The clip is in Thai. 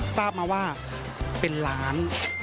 ทราบมาว่าเป็นล้าน